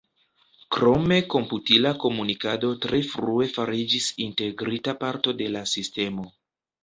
Krome komputila komunikado tre frue fariĝis integrita parto de la sistemo.